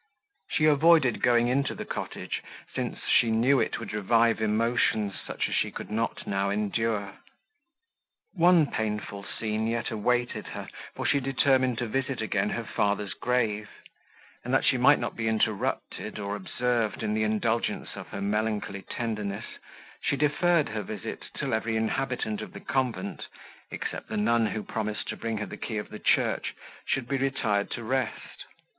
She avoided going into the cottage, since she knew it would revive emotions, such as she could not now endure. One painful scene yet awaited her, for she determined to visit again her father's grave; and that she might not be interrupted, or observed in the indulgence of her melancholy tenderness, she deferred her visit, till every inhabitant of the convent, except the nun who promised to bring her the key of the church, should be retired to rest.